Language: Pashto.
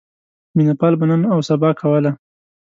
مینه پال به نن اوسبا کوله.